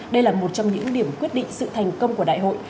đây là một trong những điểm quyết định sự thành công của đại hội